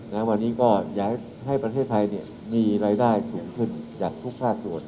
วันนี้ก็อยากให้ประเทศไทยมีรายได้สูงขึ้นจากทุกภาคส่วน